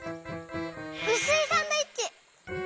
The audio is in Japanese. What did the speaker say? うすいサンドイッチ！